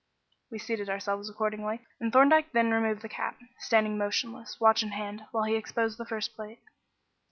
We seated ourselves accordingly, and Thorndyke then removed the cap, standing motionless, watch in hand, while he exposed the first plate.